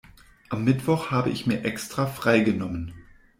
Am Mittwoch habe ich mir extra freigenommen.